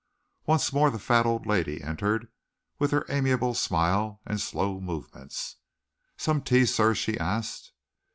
Once more the fat old lady entered, with her amiable smile and slow movements. "Some tea, sir?" she asked.